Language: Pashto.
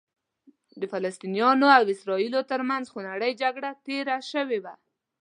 د فلسطینیانو او اسرائیلو ترمنځ خونړۍ جګړه تېره شوې وه.